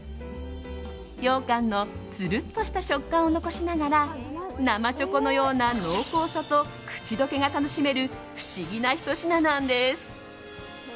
ようかんのツルッとした食感を残しながら生チョコのような濃厚さと口溶けが楽しめる不思議なひと品なんです。